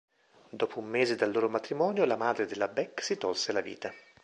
Dopo un mese dal loro matrimonio, la madre della Beck si tolse la vita.